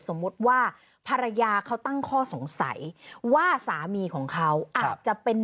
สมมุติว่าภรรยาเขาตั้งข้อสงสัยว่าสามีของเขาอาจจะเป็น